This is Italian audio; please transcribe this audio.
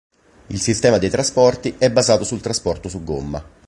Il sistema dei trasporti è basato sul trasporto su gomma.